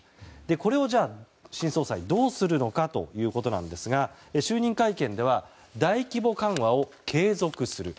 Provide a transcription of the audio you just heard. これを新総裁、どうするのかということなんですが就任会見では大規模緩和を継続する。